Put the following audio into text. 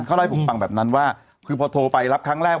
เขาเล่าให้ผมฟังแบบนั้นว่าคือพอโทรไปรับครั้งแรก